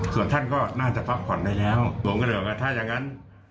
ส่วนท่านก็น่าจะพักผ่อนได้แล้วส่วนก็เดี๋ยวกันถ้าอย่างนั้น